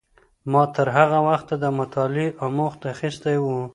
ما تر هغه وخته د مطالعې اموخت اخیستی و.